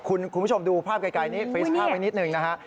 คุณผู้ชมดูภาพไกลนิดหนึ่งนะครับ